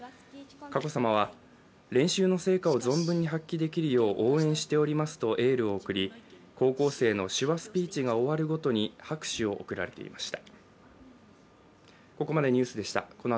佳子さまは練習の成果を存分に発揮できるよう応援しておりますとエールを送り、高校生の手話スピーチが終わるごとに拍手を送られていました。